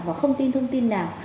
và không tin thông tin nào